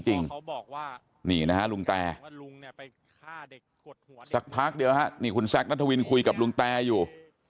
บอกว่านี่นะฮะลุงแตสักพักเดียวนี่คุณแซคนัทวินคุยกับลุงแตอยู่